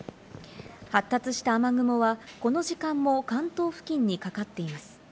発達した雨雲は、この時間も関東付近にかかっています。